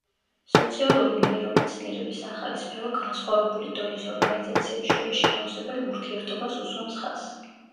სოციალური ნეირომეცნიერების ახალი სფერო განსხვავებული დონის ორგანიზაციებს შორის შემავსებელ ურთიერთობას უსვამს ხაზს.